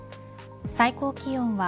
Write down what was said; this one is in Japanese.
最高気温は